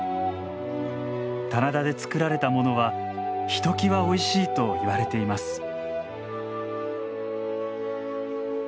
棚田で作られたものはひときわおいしいといわれています。